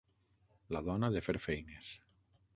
La dona de fer feines.